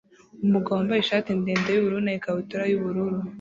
Umugabo wambaye ishati ndende yubururu na ikabutura yubururu